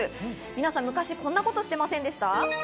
皆さん、昔こんなことしてませんでした？